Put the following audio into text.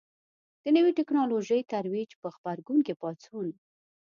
د نوې ټکنالوژۍ ترویج په غبرګون کې پاڅون.